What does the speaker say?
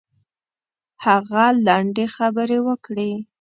هغه لنډې خبرې وکړې.